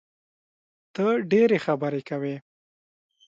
ته ډېري خبري کوې!